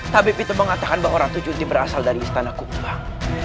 tapi itu mengatakan bahwa ratu junti berasal dari istana kumbang